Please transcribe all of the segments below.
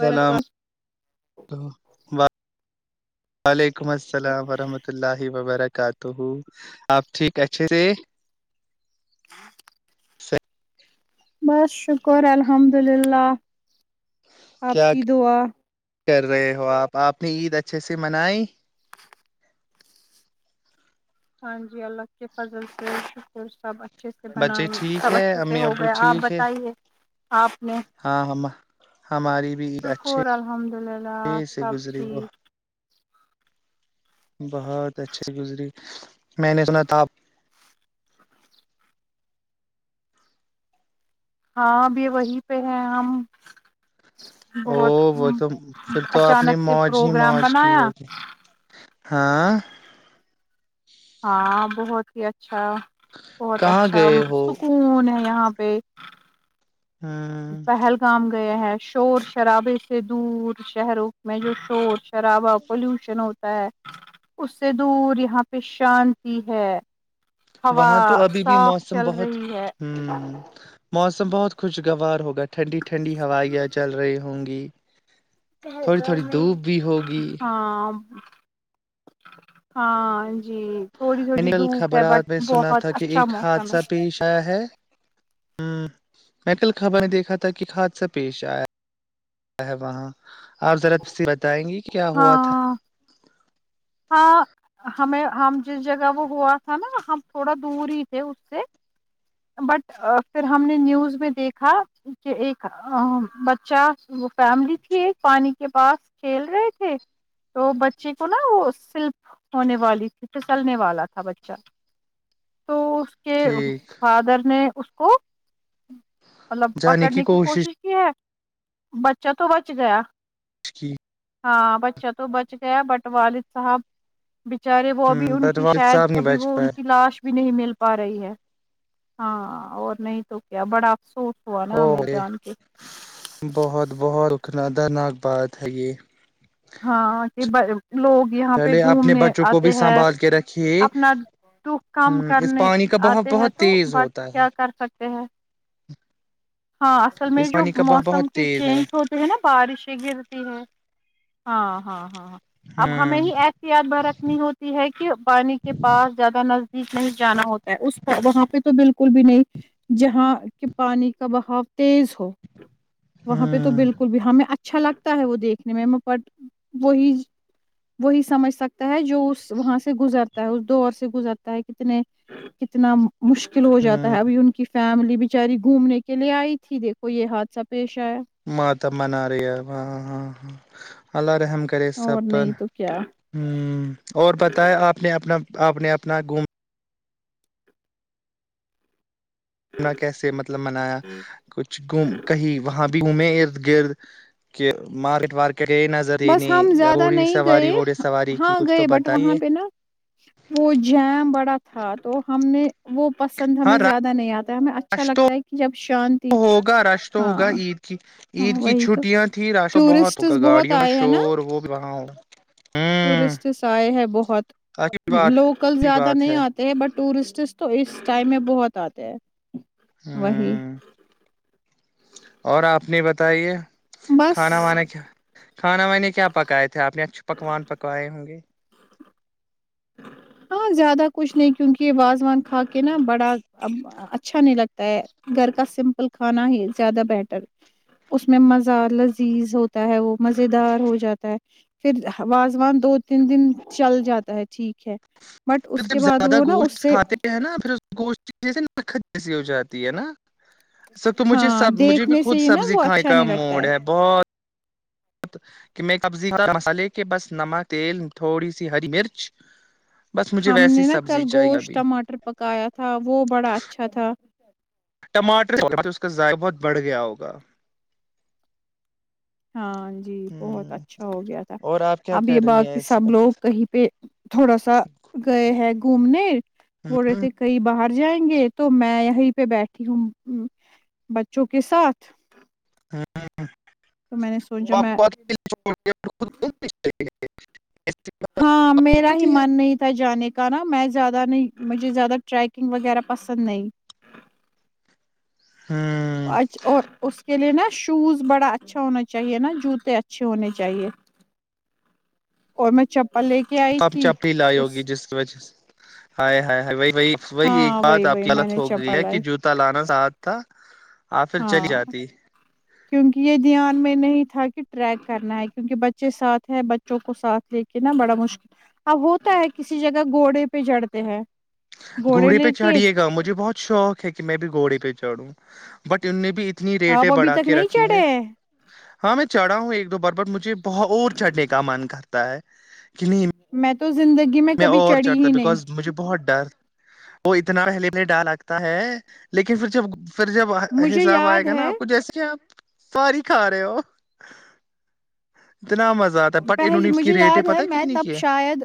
سلام و وعلیکم السلام ورحمۃ اللہ وبرکاتہ آپ ٹھیک اھے سے س بس شکر الحمد للہ آپ کیا کی دعا کر رہے ہو آپ آپ نے عید اچھے سے منائی ہاں جی اللہ کی فضل سے شکر صب اجھ [inaudible] اچھے سے بچے بنائ ٹھیک سب ہے اچھے سے امی ہو ابو گیا آپ ٹھیک ہے بتائیے آپ نے ہاں ہم ہماری بھی عید شکر اچھے الحمد للہ سے سب گزری ٹھیک [inaudible] بہت اچھی گزری میں نے سنا تھاپ ہاں ابھی وہی پہ ہے ہم او بہت وہ تو پھر تو آپ نے اچانک سے موج ہی پروگرام موج کی بنایا [inaudible] ہوگی ہاں ہاں بہت ہی اچ [inaudible] چھا بہت کہاں اچھا گئے ہو سکون ہے [inaudible] یہاں پہ ہ پہلگام گئے ہیں شور شرابے سے دور شہروں میں جو شور خرابا پولوشن ہوت ہےاس سے دور یہاں پہ شانتی ہے ہوا وہاں تو ابھی بھی صاف موسم چل بہت رہی ہے امم۔۔ موسم بہت خوشگوار ہوگا ٹنڈی ٹھنڈی ہوائیاں چل رہی ہوں [unintelligible] تھوڑی پہلگام تھوڑی مے دھوپ بھی ہوگی ہاں [inaudible] ہاں [inaudible] تھوڑی میں نے تھوڑی کل دھوپ ہے بٹ خبرات میں سنا بہت تھا کہ اچھا ایک موسم حادثہ ہے پیش آیا ہے ہمم۔۔ میں کل خبریں دیکھا تھا کہ حادثہ پیش آیا وہاں آپ ذرا بتائیں گی کیا ہوا تھا ہاں ہاں ہمیں ہم جس جگہ وہ ہوا تھا نا ہم تھوڑا دور ہی تھے اس سے بٹ پھر ہم نے نیوز میں دیکھا کہ ایک ام بچہ وہ فیملی تھی ایک پانی کے پاس کھیل رہے تھے تو بچے کو نا وہ سلپ ہونے والی تھی پھسلنے والا تھا بچہ تو کہ ٹھیک نے اس کو مطلب پکڑنے کی کوشش کی ہے بچہ تو بچ گیا کی [inaudible] ہاں بچہ تو بچ گیا بٹ والد صاحب بچارے وہ ہ ابھی ان بٹ کی والد شاید صاحب نہیں ابھی بچ وہ ان پائے کی لاش بھی نہیں مل پا رہی ہے ہاں اور نہیں تو کیا بڑا افسوس ہوا نا ہمیں اور جان کے بہت بہت [unintelligible] انا ادر نگ بھی ہاں کہ ب لوگ یہاں پہ پہلے اپنے گھومنے بچوں کو بھی آتے ہیں سنبھال کے رکھیے اپنا دکھ ہ کم اس کرنے پانی کا بہاؤ آتے ہے بہت تو تیز بٹ ہوتا ہے کیا کر سکتے پ [unintelligible] ہاں اصل میں اس جو پانی کا بہاؤ بہت موسم کے تیز ہے چینج ہوتے ہیں نا بارشیں گرتی ہے ہاں ہاں ہاں اب ہمیں ہوں ہی احتیاط بر رکھنی ہوتی ہے کہ پانی کے پاس زیادہ نز بیچ نہیں جانا ہوتا ہے اس وہاں پہ تو بالکل بھی نہیں جہاں کہ پانی کا بہاؤ تیز ہو [inaudible] وہاں پہ تو ہوں بالکل بھی ہمیں اچھ اچھا لگتا ہے وہ دیکھنے میں پٹ وہی وہی سمجھ سکتا ہے جو جو اس وہاں سے گزرتا اس دور سے گزرتا ہے کتنے کتنا مشکل ہو جاتا ہوں ہے ابھی ان کی فیملی بچاری گھومنے کے لیے آئی تھی دیکھو یہ حادثہ پیش آیا مات منا رہ ہے ہاں ہاں ہاں الگ ام کرے سب اور پر نہیں تو کیا ہ اور بتایا آپ نے اپنا آپ نے اپنا گوم نا کیسے مطلب منایا کچھ گم کہیں وہاں بھی ہ میں ارد گرد کے مارکیٹ وارکیٹ گئے نظر دینے بس ہم یا زیادہ گھوڑی نہیں سواری گئے ووڑی سواری کی ہاں کچھ تو گئے بٹ وہاں بتائیے پہ نا وہ جیم بڑا تھا تو ہم نے وہ پسند ہاں ہمیں زیادہ نہیں آتا ہے ہمیں اچھا رش تو لگتا ہے کہ جب شانتی ہوگا رش تو ہاں ہوگا عید کی ہاں عید کی وہی تو ٹورسٹ بہت یہ آئے ہیں نا میںشہور وہ بھی رہ ہؤ ٹورسٹس آئے ہیں بہت اچھی بات لوکل اچھی زیادہ بات نہیں ہے آتے ہیں بٹ ٹورسٹس تو اس ٹائم میں بہت آتے ہیں وہی ہ [unintelligible] اور آپ نے بتائیے بس کھانا وانا کیا کھانا وانی کیا پکائے تھے آپ نے اچھ پکوان پکوائے ہوں گے [unintelligible] ہاں زیادہ کچھ نہیں کیونکہ واازوان کھا کے نا بڑا ا اچھا نہیں لگتا ہے گھر کا سمپل کھانا ہی زیادہ بیٹر اس میں مزہ لذیذ ہوتا ہے وہ مز دار ہو جاتا ہے پھر واازوان دو تین دن چل جاتا ہے ٹھیک ہے۔ بٹ اس جب کے بعد زیادہ وہ نا اس گوشت سے کھاتے ھیں نہ پھر اس گوشت کی۔ جیسی ہو جاتی ہے نا ہاں مجھے بی دیکھنے خود سے ہی نا سبزی وہ کھانے اچھا کا نہیں لگتا موڈ ہے۔ مصالحے کے پاس نمک، تیل، تھوڑی سی ہری مر۔ ہم نے نہ کل گوشت ٹماٹر پکایا تھا وہ بڑا اچھا تھا۔ ٹماٹر سے اسکا ذائقہ بہت بڑ گیا ہوگا۔ ہاں جی بہت ہوں اچھا ہو گیا تھا۔ اور آپ کیا اب یہ کر رہی بات ہیں کہ اس سب وقت لوگ کہیں پہ تھوڑا سا گئے ہیں۔ گھومنے۔ بول رہے تھے کہیں باہر۔ جائیں گے تو میں یہی پہ بیٹھی ہوں بچوں کے ساتھ۔ تو میں نے سوچا میں [inaudible] ہاں میرا ہی من نہیں تھا جانے کا۔ زیادہ نہیں، مجھے زیادہ ٹریکنگ وغیرہ پسند نہیں۔ [unintelligible] لیکن نا شوز بڑا اچھا ہونا چاہیے نا جوتے اچھے ہونے چاہئیں اور۔ [unintelligible] [unintelligible] لے کے آئی تھی اس وہی ایک ہاں وہی بات آپ وہی کی میں غلط نے ہو گئی ہے چپل کہ جوتا لانا ساتھ تھا۔ آپ پھر چلی جاتی کیوں کہ یہ دیہان میں نہیں تھا۔ کیونکہ بچے ساتھ ہیں بچوں کو ساتھ لے کے نا بڑا مشکل اب ہوتا ہے کسی جگہ گھوڑے پہ چڑھتے ہیں۔ گھوڑے پر لے کے چڑھیے گا مجھے بہت شوق ہے کہ میں بھی گھوڑے پر چڑھو۔ [unintelligible] آپ ابھی تک نہیں چڑھے ہیں؟ ہاں میں چڑھا ہوں ایک دو بار پر مجھے۔ اور چھڑنے کا من کرتا ہے۔ [unintelligible] کہ نہیں [unintelligible] زندگی میں کبھی اور چڑھی چڑھتا ہی نہیں۔ بیکاز [unintelligible] پھر جب مجھے حساب اے یاد گا نہ ہے اپکو۔ ساری کھا رہے ہو اتنا مزہ آتا ہے بٹ انہوں پہلی نے اس کی مجھے ریٹ یاد ہے پت میں کتنی تب کی ہے شاید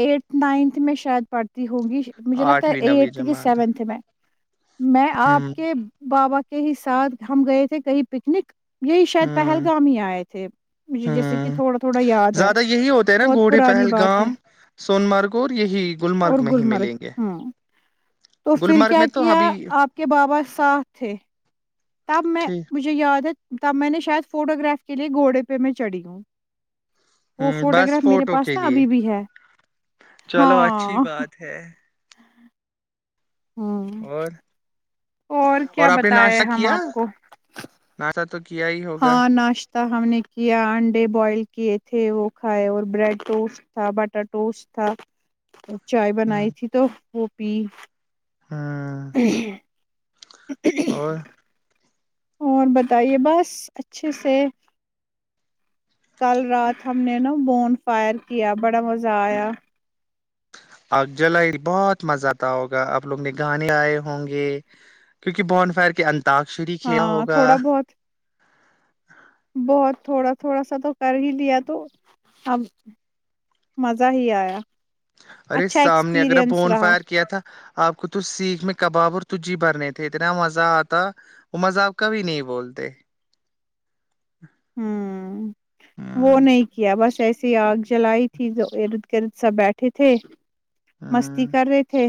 ایٹھ نائنتھ میں شاید پڑتی ہوں ہ گی مجھے لگتا ہے آٹھویں نویں ایٹتھ کی جماعت سیونتھ میں میں ہ آپ کے بابا کے کے ہی ساتھ ہم گئے تھے کہیں پکنک یہ شاید ہ پہلگام ہی آت ہ مجھے جیسے کہ تھوڑا تھوڑا یاد ہے زیادہ بہت پرانی بات ہے سونمارگ اور گلمرگ ہ تو پھر گلمرگ کیا میں تو کیا ابھی آپ کے بابا سات تھے تب میں ٹھیک مجھے یادت تب میں نے شاید فوٹو گراف کے لیے گھوڑے پہ میں چڑھی ہوں ہ وہ بس گراف میرے فوٹو پاس کے نا لیے ابھی بھی ہے چلو اچھی ہاں بات ہے ہوں اور اور کیا آپ نے بتائے ناشتہ ہم کیا آپ کو ناشتہ تو کیا ہی ہوگا ہاں ناشتہ ہم نے کیا انڈے بوائل کیے تھے وہ کھائے اور بریڈ ٹوسٹ تھا بٹر ٹوسٹ تھا چائے ہ بنائی تھی تو وہ پی ہ ا اور اور بتائیے بس اچھے سے کل رات ہم نے نا بون فائر کیا بڑا مزہ آیا آ جلائی بہت مزہ آتا ہوگا آپ لوگ نے گانے گائے ہوں گے کیونکہ بورن فائر کے اندر تکشری کیا ہاں ہوگا تھوڑا بہت بہت تھوڑا تھوڑا سا تو کر ہی لیا تو اب مزہ ہی آیا ارے اچھا سامنے اگر ایکسپیرئنس فون رہا فائر کیا تھا آپ کو تو سیکھ میں کباب اور تجی بھرنے تھے اتنا مزہ آتا وہ مذاق کبھی نہیں بولتے تے ہوں وہ نہیں کیا بس ایسے ہی آگ جلائی تھی جو ارد گرد سب بیٹھے تھے مستی ہ کر رہے تھے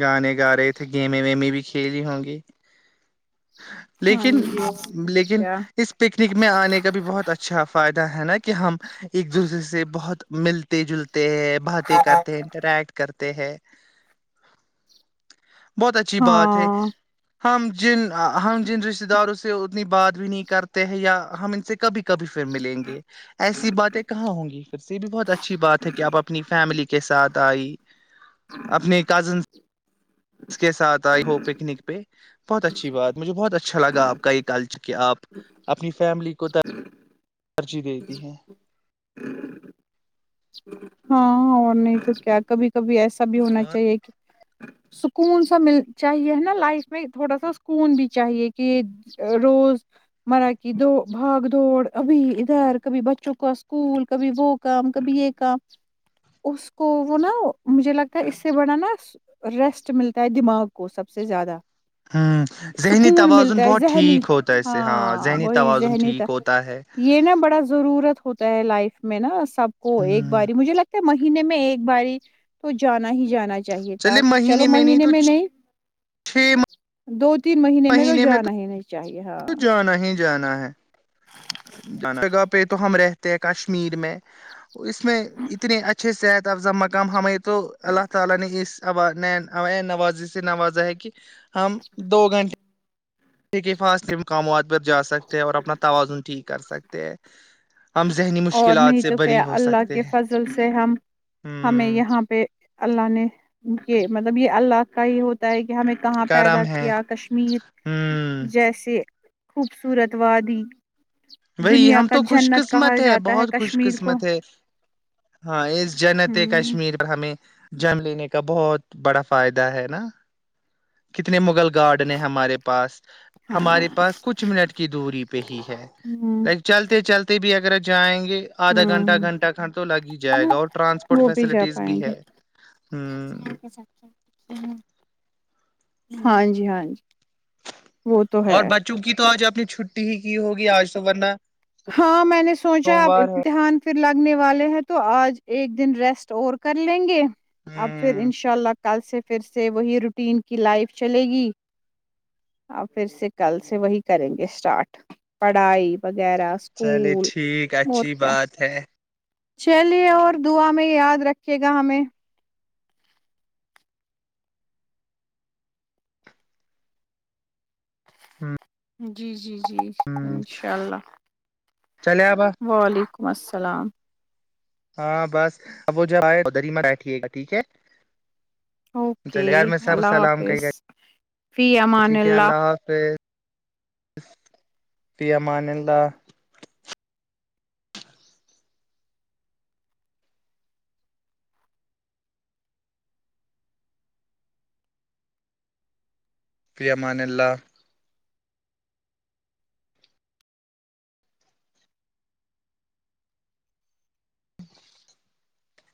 گانے ا رہے ا تھے گمیں ویمیں بھی [unintelligible] ہاں لیکن جی اور نہیں تو لیکن کیا اس پکنک میں آنے کا بھی بہت اچھا فائدہ ہے نا [unintelligible] ایک دوسرے سے بہت [unintelligible] باتیں کرتے ہیں انٹرٹ کرتے [unintelligible] بہت اچھی بات ہے ہاں [unintelligible] جن ہم جن رشتہ داروں سے اتنی بات بھی نہیں کرتے ہیں یا ہم ان سے کبھی کبھی پھر ملیں گے ایسی باتیں کہاں ہوں گی پھر سے یہ بھی بہت اچھی بات ہے کہ آپ اپنی فیملی کے [unintelligible] [unintelligible] [unintelligible] اس کے ساتھ آئی ہو پکنک پہ بہت اچھی بات مجھے بہت اچھا لا آ کا یہ کا [unintelligible] ترجیح دیتی ہیں ہاں اور نہیں تو کیا کبھی کبھی ایسے سا بھی ہونا اور چاہیے کہ سکون سا مل چاہیے ہے نا لائف میں تھوڑا سا سکون بھی چاہیے کہ روز مرا کی دو بھاگ دوڑ ابھی ادھر کبھی بچوں کو اسکول کبھی وہ کام کبھی یہ کام اس کو وہ نا مجھے لگتا ہے اس سے بڑا نا ریسٹ ملتا ہے دماغ کو سب سے زیادہ ہوں ذہنی سکون توازن ملتا ہے بہت ذہنی ٹھیک ہوتا ہے اس سے ہاں ذہنی وہی توازن ذہنی تھا ٹھیک ہوتا ہے یہ نا بڑا ضرورت ہوتا ہ [unintelligible] [unintelligible] [unintelligible] مہینے میں ایک باری تو جانا ہی جانا چاہیے تھا چلو مہینے میں نہیں [unintelligible] [unintelligible] تین مہینے میں تو جانا ہی نہیں چاہیے ہاں تو جانا ہی جانا ہے کشمیر میں اس میں اتنے اچھے صحت افزا مقام ہمیں تو اللہ تعالی نے اس نین نوازی سے نوازا ہے ہم دو گھنٹے ایک حفاظ کے مقامات ب جا سکتے ہیں اور اپنا توازن ٹیک کر سکتے ہیں ہم ذہنی اور مشکلات نہیں سے تو بری کیا ہو اللہ سکتے کے ہیں فضل سے ہم ہمیں ہ یہاں پہ اللہ نے کہ مطلب یہ اللہ کا ہی ہوتا ہے کہ کہ ہمیں کہاں پیدا کرم ہے کیا کشمیر ہ جیسے خوبصورت وااد دی وہی دنیا ہم کا تو خوش جنت کہا قسمت ہے جاتا بہت خوش کشمیر کو قسمت ہے ہاں اس جنت ہوں کشمیر پر ہمیں جم لینے کا بہت بڑا فائدہ ہے نا کتنے مغل گارڈن ہیں ہمارے پاس ہمارے ہاں پاس کچھ منٹ کی دوری پہ ہی ہے ہوں ل چلتے چلتے بھی اگر [unintelligible] آدھا گھنٹہ ہوں گھنٹہ کھنٹ تو لگ ہی جائے گا اور ٹرانسپورٹ وہ بھی جا فیسلٹیز بھی پائیں گے ہے ہ ہاں جی ہاں جی وہ تو اور ہے بچوں کی تو آج اپنی چھٹی ہی کی ہوگی آج تو ورنہ ہاں میں نے سوچا آپ سوموار ہے امتحان پھر لگنے والے ہیں تو آج ایک دن ریسٹ اور کر لیں گے اب پھر ہ انشاء اللہ کل سے پھر سے وہی روٹین کی لائف چلے گی آ پھر سے کل سے وہی کریں گے اسٹارٹ پڑھائی وغیرہ چلے اسکول ٹھیک اور اچھی کیا بات ہے چلیے اور دعا میں یاد رکھے گا ہمیں [unintelligible] [unintelligible] جی جی انشاء اللہ [unintelligible] [unintelligible] ہاں بس اب وہ جو آ چودریما بیٹھیے گا ٹھیک ہے اوکے چلے یار میں سب اللہ سلام حافظ کہیے گا فی امان اللہ پیامانلہ امان اللہ [inaudible]